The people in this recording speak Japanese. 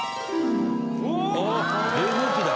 おっ冷風機だ。